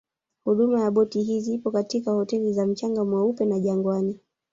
Huduma ya boti hizi ipo katika hoteli za mchanga mweupe na Jangwani